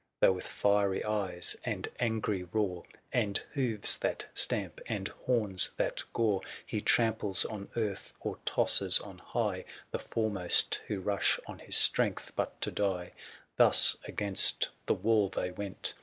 Though with fiery eyes, and angry roar, 680 And hoofs that stamp, and horns that gore. He tramples on earth, or tosses on high The foremost, who rush on his strength but to die : Thus against the wall they went.